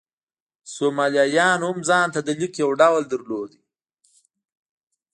سومالیایانو هم ځان ته د لیک یو ډول درلود.